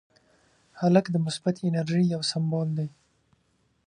هلک د مثبتې انرژۍ یو سمبول دی.